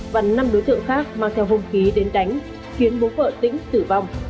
và năm đối tượng khác mang theo hung khí đến đánh khiến bố vợ tĩnh tử vong